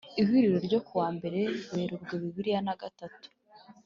ihuriro ryo kuwa mbere werurwe bibiri na gatatu